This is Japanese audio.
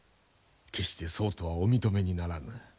決してそうとはお認めにならぬ。